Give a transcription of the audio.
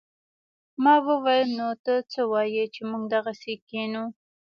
ما وويل نو ته څه وايې چې موږ دغسې کښينو.